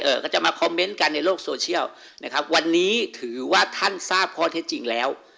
ก็จะมาคอมเมนต์กันในโลกโซเชียลนะครับวันนี้ถือว่าท่านทราบข้อเท็จจริงแล้ว